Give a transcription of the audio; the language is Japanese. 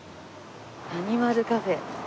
アニマルカフェ。